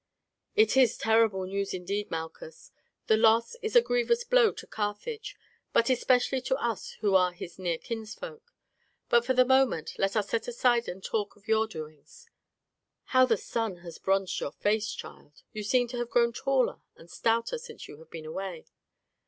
"It is terrible news indeed, Malchus. The loss is a grievous blow to Carthage, but especially to us who are his near kinsfolk; but for the moment let us set it aside and talk of your doings. How the sun has bronzed your face, child! You seem to have grown taller and stouter since you have been away.